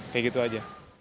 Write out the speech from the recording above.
kayak gitu aja